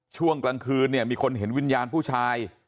ช่วงกลางคืนเนี่ยมีคนเห็นวิญญาณผู้ชาย